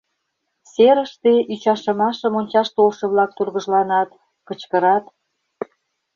Серыште ӱчашымашым ончаш толшо-влак тургыжланат, кычкырат.